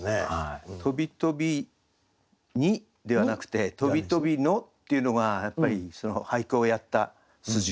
「とびとびに」ではなくて「とびとびの」っていうのがやっぱり俳句をやった素十。